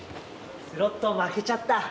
スロット負けちゃった。